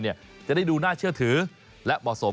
จะได้ดูน่าเชื่อถือและเหมาะสม